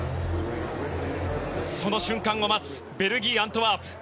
その瞬間を待つベルギー・アントワープ。